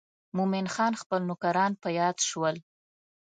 مومن خان خپل نوکران په یاد شول.